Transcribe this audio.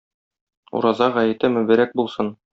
Ураза гаете мөбарәк булсын!